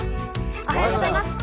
おはようございます。